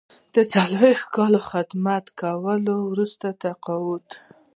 د څلویښت کاله خدمت کولو وروسته تقاعد.